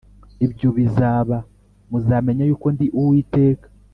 ibyo bizaba muzamenya yuko ndi Uwiteka